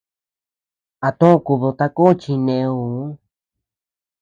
A too kubid tako chi neuu.